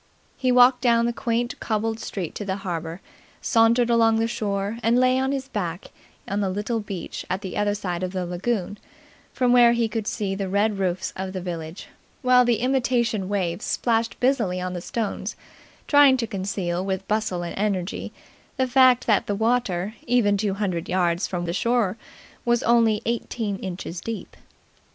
He walked down the quaint cobbled street to the harbour, sauntered along the shore, and lay on his back on the little beach at the other side of the lagoon, from where he could see the red roofs of the village, while the imitation waves splashed busily on the stones, trying to conceal with bustle and energy the fact that the water even two hundred yards from the shore was only eighteen inches deep.